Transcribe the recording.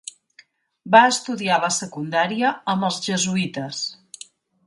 Va estudiar la secundària amb els jesuïtes.